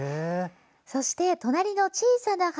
そして、隣の小さな花。